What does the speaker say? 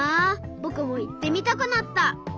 ぼくもいってみたくなった。